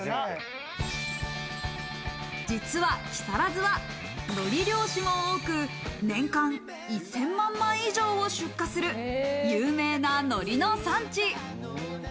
木更津は海苔漁師も多く、年間１０００万枚以上を出荷する有名な海苔の産地。